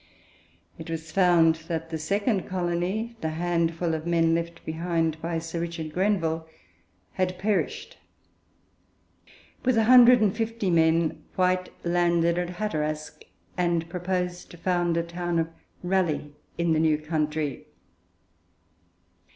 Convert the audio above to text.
It was found that the second colony, the handful of men left behind by Sir Richard Grenville, had perished. With 150 men, White landed at Hatorask, and proposed to found a town of Raleigh in the new country.